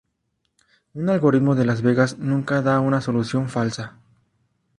Un algoritmo de Las Vegas nunca da una solución falsa.